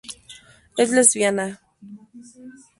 Es lesbiana.